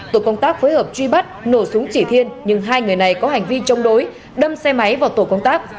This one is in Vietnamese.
tổ công tác phối hợp truy bắt nổ súng chỉ thiên nhưng hai người này có hành vi chống đối đâm xe máy vào tổ công tác